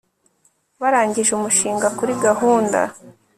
Barangije umushinga kuri gahunda